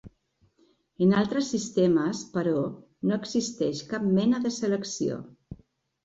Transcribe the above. En altres sistemes, però, no existeix cap mena de selecció.